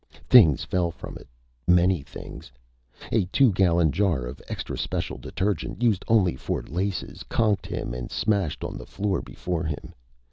Things fell from it. Many things. A two gallon jar of extra special detergent, used only for laces, conked him and smashed on the floor before him.